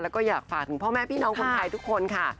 แล้วก็อยากฝากถึงพ่อแม่พี่น้องคนไทยทุกคนค่ะ